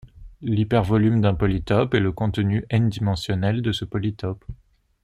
Lhypervolume d'un polytope est le contenu n-dimensionnel de ce polytope.